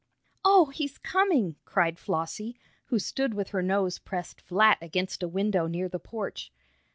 "Oh, he's coming!" cried Flossie, who stood with her nose pressed flat against a window near the porch.